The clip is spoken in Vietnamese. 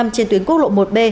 trên tuyến quốc lộ một b